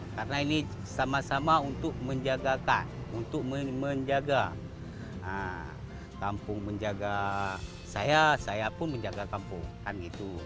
karena ini sama sama untuk menjaga kampung saya pun menjaga kampung